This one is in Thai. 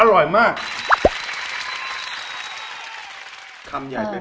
ฮ่าไม่ใหญ่